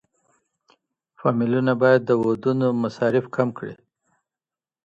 فاميلونه بايد د ودونو مصارف کم کړي.